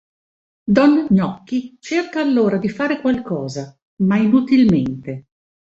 Don Gnocchi cerca allora di fare qualcosa, ma inutilmente.